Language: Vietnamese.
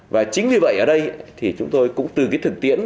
và chính vì vậy ở đây thì chúng tôi cũng từ cái thực tiễn